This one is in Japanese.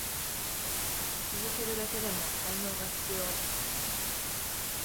続けるだけでも才能が必要。